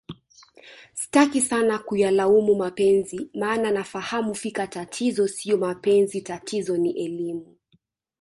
sitaki sana kuyalaumu mapenzi maana nafahamu fika tatizo sio mapenzi tatizo ni elimu